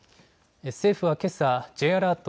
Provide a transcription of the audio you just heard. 政府はけさＪアラート